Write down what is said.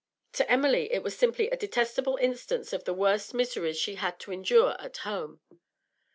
To Emily it was simply a detestable instance of the worst miseries she had to endure at home.